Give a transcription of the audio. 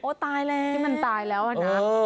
โอ้ตายแล้วที่มันตายแล้วนะ